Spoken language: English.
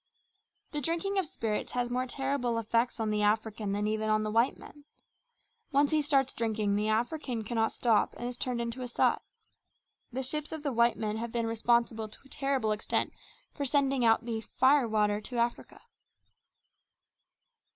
The drinking of spirits has more terrible effects on the African than even on white men. Once he starts drinking, the African cannot stop and is turned into a sot. The ships of the white man have been responsible to a terrible extent for sending out the "fire water" to Africa.